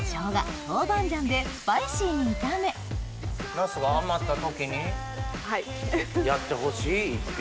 ナスが余った時にやってほしい一品。